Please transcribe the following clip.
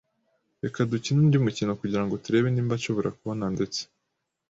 Reka dukine undi mukino kugirango turebe niba nshobora kubona ndetse.